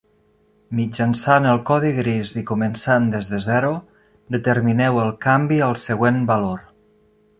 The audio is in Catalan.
Mitjançant el codi gris i començant des de zero, determineu el canvi al següent valor.